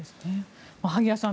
萩谷さん